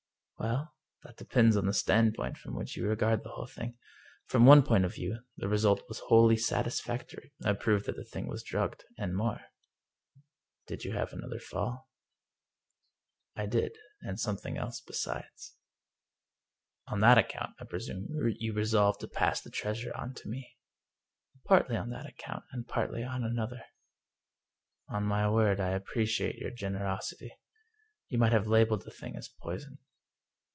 " Well, that depends on the standpoint from which you regard the thing. From one point of view the result was wholly satisfactory — I proved that the thing was drugged, and more." " Did you have another fall?" 226 The Pipe " I did. And something else besides." " On that account, I presume, you resolved to pass the treasure on to me?" " Partly on that account, and partly on another." " On my word, I appreciate your generosity. You might have labeled the thing as poison."